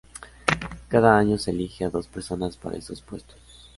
Cada año se eligen a dos personas para estos puestos.